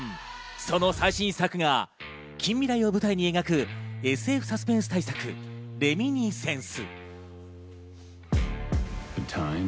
その最新作が近未来を舞台に描くＳＦサスペンス大作『レミニセンス』。